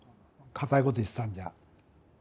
固いこと言ってたんじゃ。